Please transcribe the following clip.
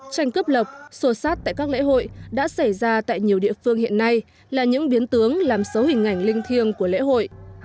tranh cướp lọc sô sát tại các lễ hội đã xảy ra tại nhiều địa phương hiện nay là những biến tướng làm xấu hình ảnh linh thiêng của lễ hội